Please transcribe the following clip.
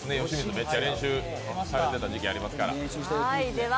めっちゃ練習されていた時期がありますから。